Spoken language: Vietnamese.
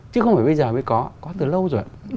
chứ không phải bây giờ mới có có từ lâu rồi